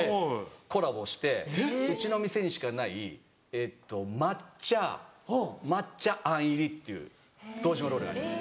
コラボしてうちの店にしかない抹茶抹茶あん入りっていう堂島ロールあります。